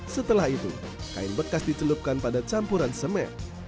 setelah itu kain bekas dicelupkan pada campuran semen